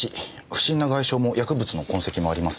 不審な外傷も薬物の痕跡もありません。